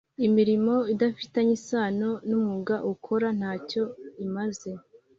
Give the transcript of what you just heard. imirimo idafitanye isano n umwuga ukora ntacyo imaze